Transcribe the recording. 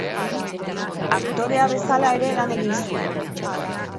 Aktorea bezala ere lan egin zuen.